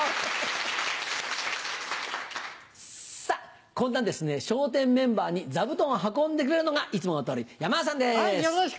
さぁこんな笑点メンバーに座布団を運んでくれるのがいつもの通り山田さんです。